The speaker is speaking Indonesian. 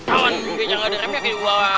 jangan ada remnya kayak gue tarik